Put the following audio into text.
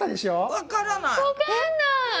わかんない。